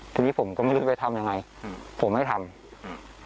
ทีนี้ผมก็ไม่รู้ไปทำยังไงอืมผมไม่ทำอืม